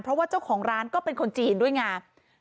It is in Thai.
เพราะว่าเจ้าของร้านก็เป็นคนจีนด้วยไง